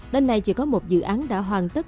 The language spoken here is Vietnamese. lần này chỉ có một dự án đã hoàn tất